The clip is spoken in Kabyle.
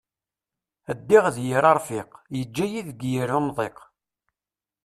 Ddiɣ d yir arfiq, yeǧǧa-yi deg yir amḍiq.